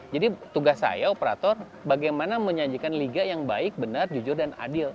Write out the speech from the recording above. jadi tugas saya operator bagaimana menyajikan liga yang baik benar jujur dan adil